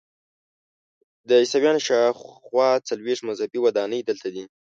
د عیسویانو شاخوا څلویښت مذهبي ودانۍ دلته دي.